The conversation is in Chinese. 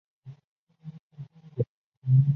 巨突顶冠节蜱为节蜱科顶冠节蜱属下的一个种。